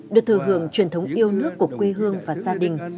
được thừa hưởng truyền thống yêu nước của quê hương và gia đình